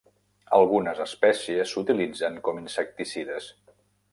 Algunes espècies s"utilitzen com insecticides.